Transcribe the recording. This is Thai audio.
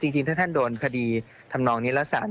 จริงถ้าท่านโดนคดีทำนองนิรศาสต